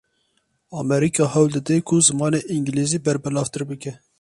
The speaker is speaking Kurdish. Amerîka hewl dide ku zimanê îngilîzî berbelavtir bike.